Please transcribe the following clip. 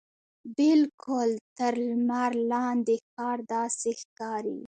بالکل تر لمر لاندې ښار داسې ښکاري.